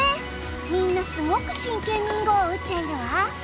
みんなすごく真剣に囲碁を打っているわ。